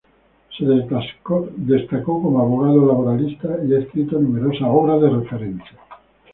Se destacó como abogado laboralista, y ha escrito numerosas obras de referencia.